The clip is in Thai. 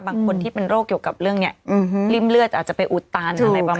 บางคนที่เป็นโรคเกี่ยวกับเรื่องเนี่ยริ่มเลือดอาจจะไปอุดตันอะไรประมาณ